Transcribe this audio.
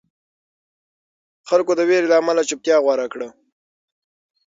خلکو د وېرې له امله چوپتیا غوره کړه.